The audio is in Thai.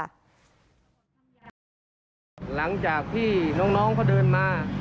หลังจากที่น้องเขาเดินมา